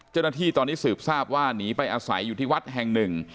เจ้าหน้าที่ตอนนี้สืบทราบว่าหนีไปอาศัยอยู่ที่วัดแห่งหนึ่ง